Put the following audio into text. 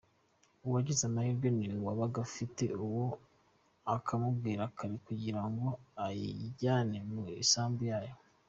Uwagize amahirwe ni uwabaga afite uwe akamubwira kare kugira ngo ayijyane mu isambu nayo.